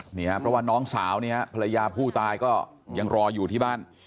เพราะว่าน้องสาวเนี่ยภรรยาผู้ตายก็ยังรออยู่ที่บ้าน